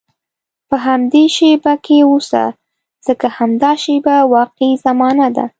په همدې شېبه کې اوسه، ځکه همدا شېبه واقعي زمانه ده.